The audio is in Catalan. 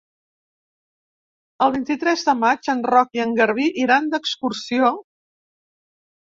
El vint-i-tres de maig en Roc i en Garbí iran d'excursió.